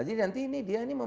jadi nanti ini dia ini